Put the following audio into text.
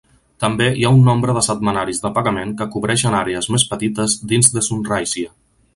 També hi ha un nombre de setmanaris de pagament que cobreixen àrees més petites dins de Sunraysia.